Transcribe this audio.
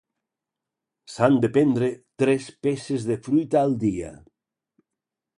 S'han de prendre tres peces de fruita al dia.